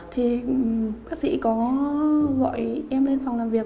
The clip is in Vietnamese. thì bác sĩ có gọi em lên phòng làm việc